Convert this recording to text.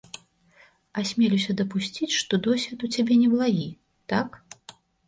Асмелюся дапусціць, што досвед у цябе неблагі, так?